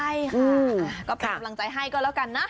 ใช่ค่ะก็เป็นกำลังใจให้ก็แล้วกันนะ